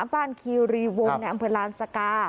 บ้านคีรีวงในอำเภอลานสกา